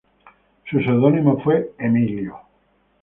Su seudónimo fue "Emilio".